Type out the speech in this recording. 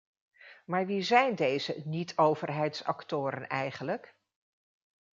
Maar wie zijn deze niet-overheidsactoren eigenlijk?